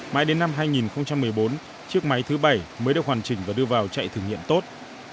mãi đến năm hai nghìn một mươi bốn chiếc máy thứ bảy mới được hoàn chỉnh và đưa vào chạy thử nghiệm tốt